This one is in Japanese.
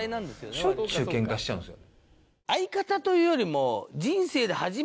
しょっちゅうケンカしちゃうんですよ。